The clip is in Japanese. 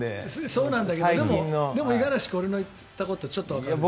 そうなんだけどでも五十嵐君俺が言ったことちょっとわかるでしょ？